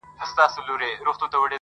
یو مرګ به تدریجي وي دا به لویه فاجعه وي.